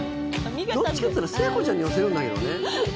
どっちかっていったら聖子ちゃんに寄せるんだけどね。